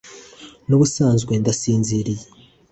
N’ubusanzwe ndasinziriye.